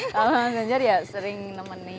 kalau ganjar ya sering nemenin